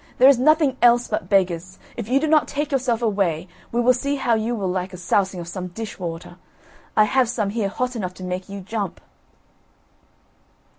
there is nothing else but beggars; if you do not take yourself away, we will see how you will like a sousing of some dish water; I have some here hot enough to make you jump."